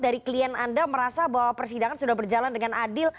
dari klien anda merasa bahwa persidangan sudah berjalan dengan adil